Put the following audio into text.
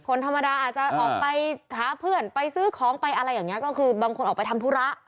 คนธรรมดาอาจจะออกไปหาเพื่อนไปซื้อของไปอะไรอย่างนี้ก็คือบางคนออกไปทำธุระ